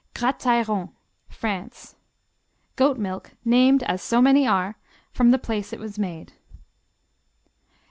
Gratairon France Goat milk named, as so many are, from the place it is made.